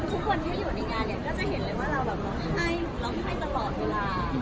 ทุกคนที่อยู่ในงานเนี่ยก็จะเห็นเลยว่าเราแบบให้เราให้ตลอดเวลา